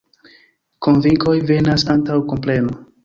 Konvinkoj venas antaŭ kompreno.